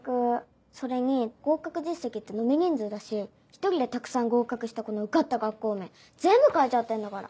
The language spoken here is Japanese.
それに合格実績って延べ人数だし一人でたくさん合格した子の受かった学校名全部書いちゃってんだから。